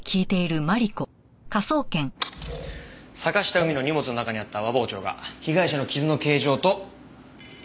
坂下海の荷物の中にあった和包丁が被害者の傷の形状と一致しました。